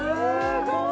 すごい！